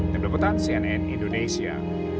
dibelopotan cnn indonesia